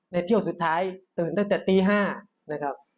เที่ยวสุดท้ายตื่นตั้งแต่ตี๕นะครับ